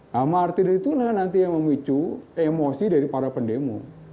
nah martir itulah nanti yang memicu emosi dari para pendemo